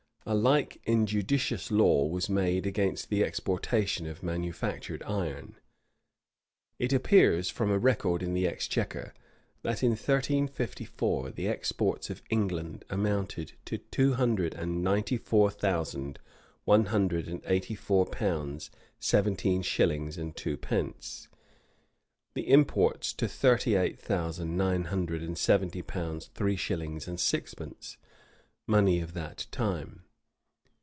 A like injudicious law was made against the exportation of manufactured iron.[] It appears from a record in the exchequer, that in 1354 the exports of England amounted to two hundred and ninety four thousand one hundred and eighty four pounds seventeen shillings and twopence; the imports to thirty eight thousand nine hundred and seventy pounds three shillings and sixpence, money of that time.